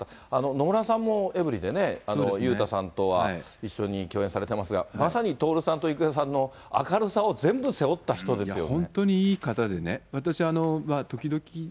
野村さんもエブリィでね、裕太さんとは一緒に共演されてますが、まさに徹さんと郁恵さんの明るさを全部背負った人ですよね。